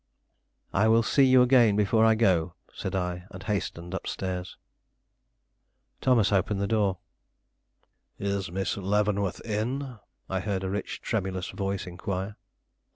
"I will see you again before I go," said I, and hastened up stairs. Thomas opened the door. "Is Miss Leavenworth in?" I heard a rich, tremulous voice inquire.